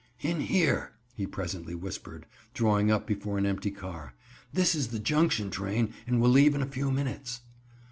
"In here," he presently whispered, drawing up before an empty car. "This is the Junction train, and will leave in a few minutes."